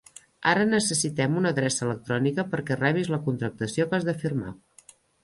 Ara necessitem una adreça electrònica perquè rebis la contractació que has de firmar.